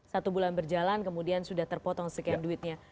satu bulan berjalan kemudian sudah terpotong sekian duitnya